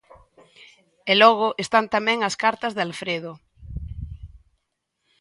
E logo están tamén as cartas de Alfredo.